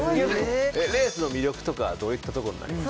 レースの魅力とかどういったところになります？